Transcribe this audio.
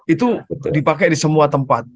itu dipakai di semua tempat